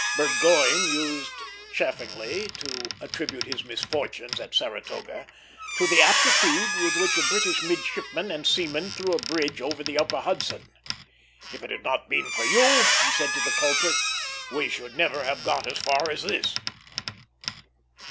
Burgoyne used chaffingly to attribute his misfortunes at Saratoga to the aptitude with which a British midshipman and seamen threw a bridge over the upper Hudson. "If it had not been for you," he said to the culprit, "we should never have got as far as this."